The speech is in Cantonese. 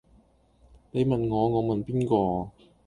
你問我我問邊個